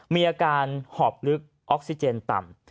มีอาการหอบลึกออกซิเจนต่ำ